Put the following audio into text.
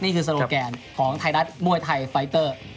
นี่คือโสโรแกนของไทรัทมวยไทไฟเตอร์